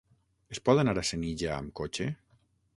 Es pot anar a Senija amb cotxe?